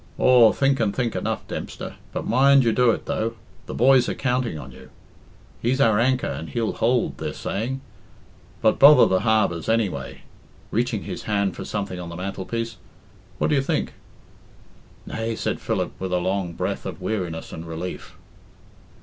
"Aw, think and think enough, Dempster but mind you do it, though. The boys are counting on you. 'He's our anchor and he'll hould,' they're saying; But, bother the harbours, anyway," reaching his hand for something on the mantelpiece. "What do you think?" "Nay," said Philip, with a long breath of weariness and relief.